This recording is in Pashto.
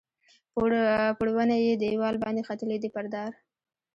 پوړونی یې دیوال باندې ختلي دي پر دار